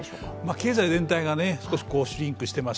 経済全体が少しシュリンクしています。